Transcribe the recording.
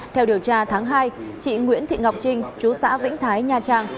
theo điều tra tháng hai chị nguyễn thị ngọc trinh chú xã vĩnh thái nha trang